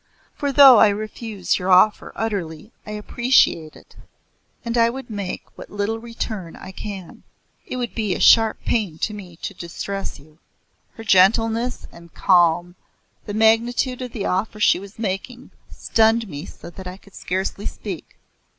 For though I refuse your offer utterly, I appreciate it, and I would make what little return I can. It would be a sharp pain to me to distress you." Her gentleness and calm, the magnitude of the offer she was making stunned me so that I could scarcely speak.